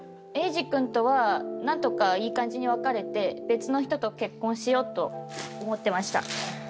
英二君とは何とかいい感じに別れて別の人と結婚しようと思ってました。